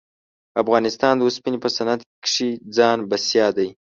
افغانستان د اوسپنې په صنعت کښې ځان بسیا دی.